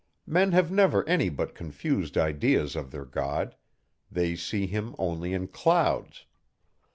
Men have never any but confused ideas of their God: they see him only in clouds.